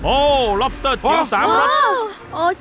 โอ้ลอบสเตอร์เจี๋ยวสามรส